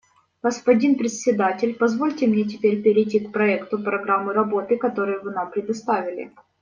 Господин Председатель, позвольте мне теперь перейти к проекту программы работы, который вы нам представили.